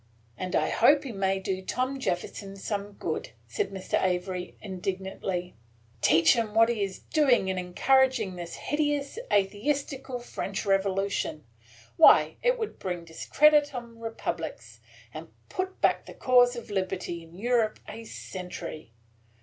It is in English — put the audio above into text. "And I hope he may do Tom Jefferson some good!" said Mr. Avery, indignantly, – "teach him what he is doing in encouraging this hideous, atheistical French revolution! Why, it will bring discredit on republics, and put back the cause of liberty in Europe a century!